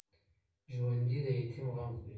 ژوندي د یتیم غم خوري